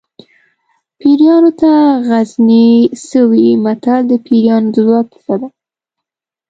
پیریانو ته غزني څه وي متل د پیریانو د ځواک کیسه ده